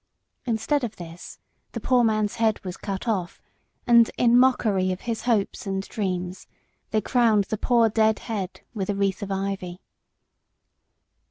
Instead of this, the poor man's head was cut off, and, in mockery of his hopes and dreams, they crowned the poor dead head with the wreath of ivy.